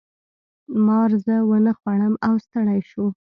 مار زه ونه خوړم او ستړی شو.